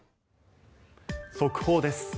速報です。